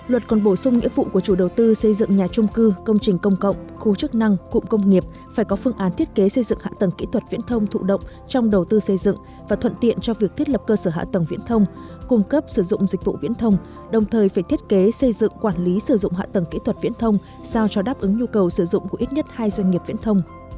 luật còn bổ sung nghĩa vụ của chủ đầu tư xây dựng nhà chung cư công trình công cộng khu chức năng cụm công nghiệp phải có phương án thiết kế xây dựng hạ tầng kỹ thuật viễn thông thụ động trong đầu tư xây dựng và thuận tiện cho việc thiết lập cơ sở hạ tầng viễn thông cung cấp sử dụng dịch vụ viễn thông đồng thời phải thiết kế xây dựng quản lý sử dụng hạ tầng kỹ thuật viễn thông sao cho đáp ứng nhu cầu sử dụng của ít nhất hai doanh nghiệp viễn thông